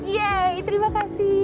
yeay terima kasih